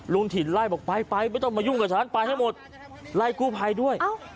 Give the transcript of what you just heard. ลุงถิ่นไล่บอกไปไปไม่ต้องมายุ่งกับฉันไปให้หมดไล่กู้ภัยด้วย